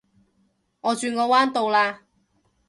我轉個彎到啦